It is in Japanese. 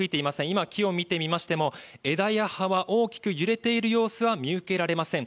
今、木を見てみましても、枝や葉は大きく揺れている様子は見受けられません。